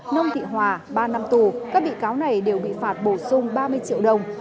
nông thị hòa ba năm tù các bị cáo này đều bị phạt bổ sung ba mươi triệu đồng